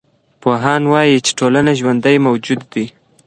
پوهان وايي چي ټولنه ژوندی موجود دی.